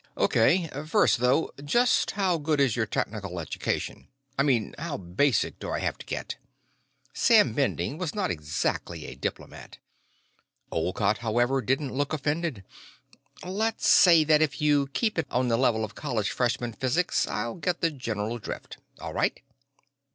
"O.K. First, though, just how good is your technical education? I mean, how basic do I have to get?" Sam Bending was not exactly a diplomat. Olcott, however, didn't look offended. "Let's say that if you keep it on the level of college freshman physics I'll get the general drift. All right?"